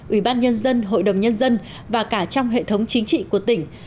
ủy ban nhân dân hội đồng nhân dân và cả trong hệ thống chính trị của tỉnh